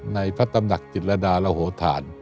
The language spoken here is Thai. ในพระตำนักจิตระดาลโหธาน